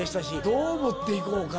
どう持って行こうか。